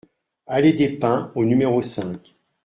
Allées des Pins au numéro cinq